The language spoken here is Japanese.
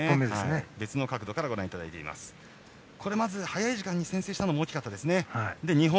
早い時間に先制したのも大きかったですね。